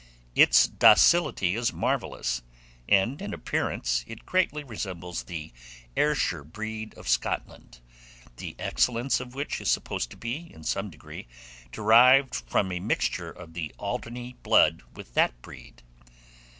Its docility is marvellous, and in appearance it greatly resembles the Ayrshire breed of Scotland, the excellence of which is supposed to be, in some degree, derived from a mixture of the Alderney blood with that breed.